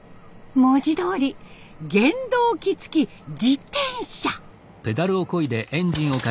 文字どおり原動機付き自転車。